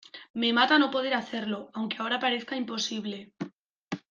me mata no poder hacerlo. aunque ahora parezca imposible